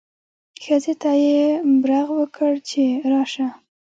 ښځې ته یې برغ وکړ چې راشه.